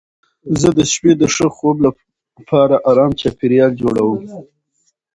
زه د شپې د ښه خوب لپاره ارام چاپېریال جوړوم.